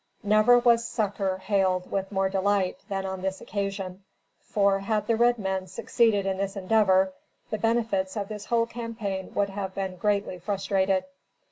Never was succor hailed with more delight, than on this occasion; for, had the red men succeeded in this endeavor, the benefits of this whole campaign would have been greatly frustrated.